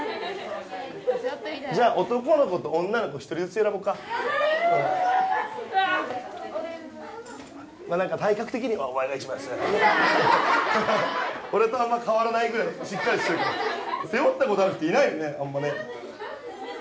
じゃ男の子と女の子１人ずつ選ぼうかまあ何か体格的にはお前が一番ハハハ俺とあんま変わらないぐらいしっかりしてるから背負ったことある人いないよねあんまね・